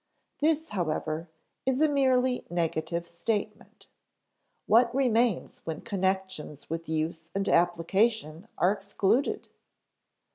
This, however, is a merely negative statement. What remains when connections with use and application are excluded?